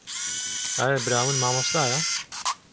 ئایا براون مامۆستایە؟